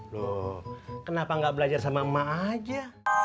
loh kenapa nggak belajar sama emak aja